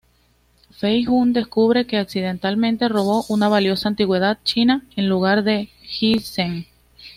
Fei-hung descubre que accidentalmente robó una valiosa antigüedad china en lugar del ginseng.